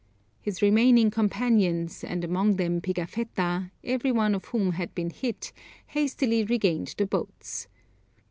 His remaining companions, and among them Pigafetta, every one of whom had been hit, hastily regained the boats.